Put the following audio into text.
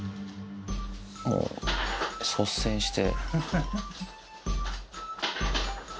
もう率先して。